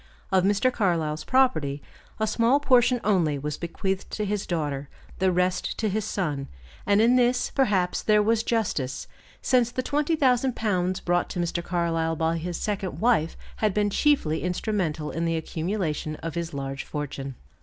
Of Mr. Carlyle's property, a small portion only was bequeathed to his daughter, the rest to his son; and in this, perhaps there was justice, since the 20,000 pounds brought to Mr. Carlyle by his second wife had been chiefly instrumental in the accumulation of his large fortune.